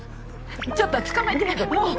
ちょっと捕まえてもう。